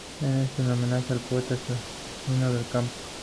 Es un homenaje al poeta Estanislao del Campo.